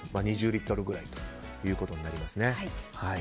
２０リットルくらいということになりますね。